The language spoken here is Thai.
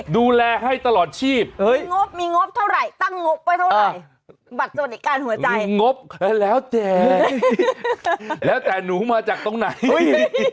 ดูแลให้ตลอดชีพงบมีงบเท่าไหร่ตั้งงบไว้เท่าไหร่บัตรสวัสดิการหัวใจงบแล้วเจ๊แล้วแต่หนูมาจากตรงไหน